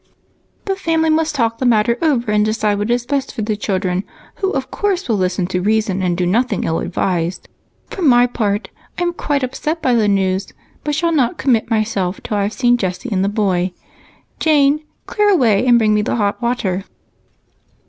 "The family must talk the matter over and decide what is best for the children, who of course will listen to reason and do nothing ill advised. For my part, I am quite upset by the news, but shall not commit myself till I've seen Jessie and the boy. Jane, clear away, and bring me the hot water."